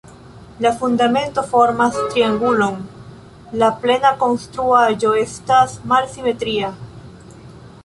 La fundamento formas triangulon, la plena konstruaĵo estas malsimetria.